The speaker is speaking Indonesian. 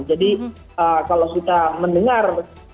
jadi kalau kita mendengar